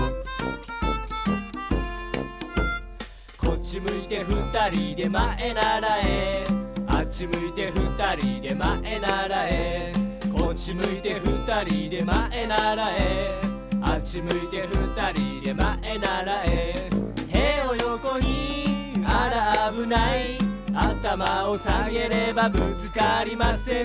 「こっちむいてふたりでまえならえ」「あっちむいてふたりでまえならえ」「こっちむいてふたりでまえならえ」「あっちむいてふたりでまえならえ」「てをよこにあらあぶない」「あたまをさげればぶつかりません」